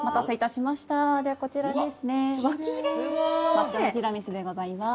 抹茶のティラミスでございます。